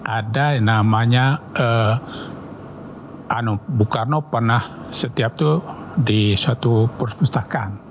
ada yang namanya bung karno pernah setiap itu di suatu perpustakaan